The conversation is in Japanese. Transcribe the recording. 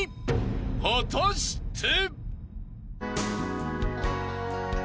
果たして］